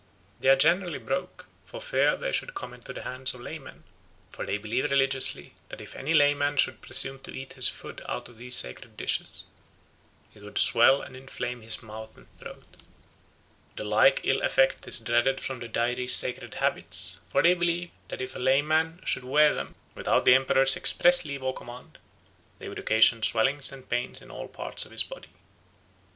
They are generally broke, for fear they should come into the hands of laymen, for they believe religiously, that if any layman should presume to eat his food out of these sacred dishes, it would swell and inflame his mouth and throat. The like ill effect is dreaded from the Dairi's sacred habits; for they believe that if a layman should wear them, without the Emperor's express leave or command, they would occasion swellings and pains in all parts of his body."